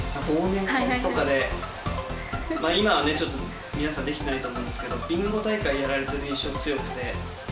忘年会とかで、今はね、ちょっと皆さん、できてないと思うんですけど、ビンゴ大会やられてる印象が強くて。